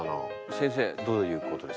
先生どういうことですか？